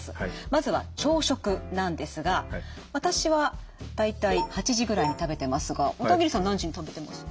まずは朝食なんですが私は大体８時くらいに食べてますが小田切さん何時に食べてます？